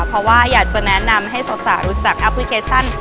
เพราะว่าอยากจะแนะนำให้สาวรู้จักแอปพลิเคชัน